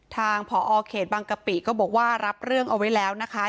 ทางผอเขตบางกะปิก็บอกว่ารับเรื่องเอาไว้แล้วนะคะ